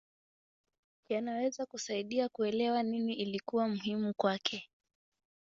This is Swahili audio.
Yanaweza kusaidia kuelewa nini ilikuwa muhimu kwake.